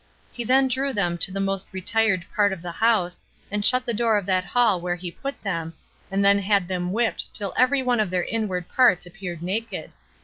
He then drew them to the most retired part of the house, and shut the door of that hall where he put them, and then had them whipped till every one of their inward parts appeared naked.